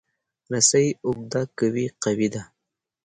رسۍ اوږده که وي، قوي ده.